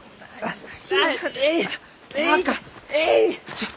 ちょっ。